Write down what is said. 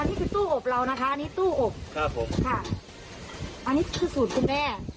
นี่คือตู้อบเรานะคะอันนี้ตู้อบครับผมค่ะอันนี้คือสูตรคุณแม่